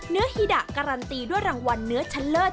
เนื้อฮีดะการันตีด้วยรางวัลเนื้อชันเลอร์